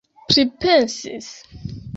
pripensis